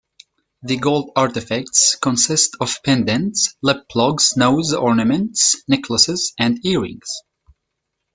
The gold artifacts consist of pendants, lip-plugs, nose ornaments, necklaces, and earrings.